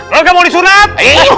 lalu kamu disunat